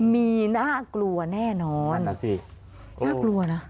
มีน่ากลัวแน่นอนน่ากลัวนะ